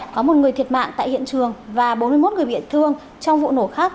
có một người thiệt mạng tại hiện trường và bốn mươi một người bị thương trong vụ nổ khác